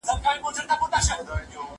زه به د کتابتون لپاره کار کړي وي!!